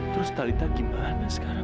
terus talita gimana sekarang